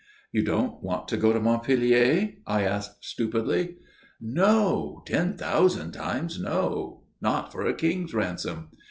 "You don't want to go to Montpellier?" I asked, stupidly. "No ten thousand times no; not for a king's ransom."